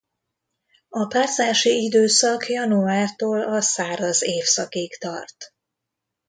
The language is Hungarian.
A párzási időszak januártól a száraz évszakig tart.